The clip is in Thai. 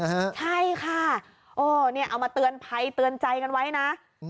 ใช่ค่ะโอ้เนี่ยเอามาเตือนภัยเตือนใจกันไว้นะ